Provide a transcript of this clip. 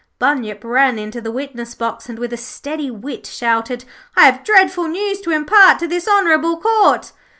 Bunyip ran into the witness box and, with a ready wit, shouted: 'I have dreadful news to impart to this honourable Court.'